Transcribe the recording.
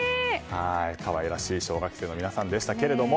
可愛らしい小学生の皆さんでしたけれども。